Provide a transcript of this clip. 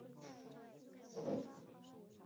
西北省